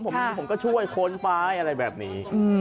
ผมก็ช่วยคนปลายอะไรแบบนี้